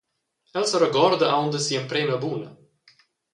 El seregorda aunc da sia emprema buna.